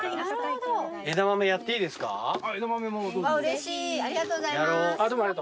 うれしいありがとうございます。